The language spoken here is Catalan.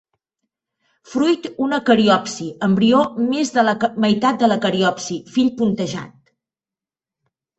Fruit una cariopsi; embrió més de la meitat de la cariopsi; fil puntejat.